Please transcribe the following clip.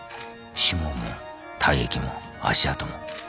指紋も体液も足跡も。